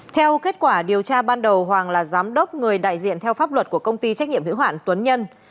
theo kết quả điều tra ban đầu hoàng là giám đốc người đại diện theo pháp luật của công ty trách nhiệm hữu hoạn tuấn nhân